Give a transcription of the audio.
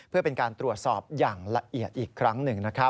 เพื่อเป็นการตรวจสอบอย่างละเอียดอีกครั้งหนึ่งนะครับ